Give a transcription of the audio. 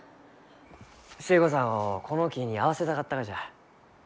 寿恵子さんをこの木に会わせたかったがじゃ。